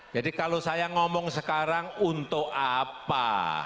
jadi kalau saya ngomong sekarang untuk apa